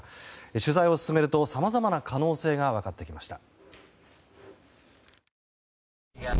取材を進めるとさまざまな可能性が分かってきました。